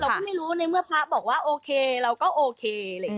เราก็ไม่รู้ในเมื่อพระบอกว่าโอเคเราก็โอเค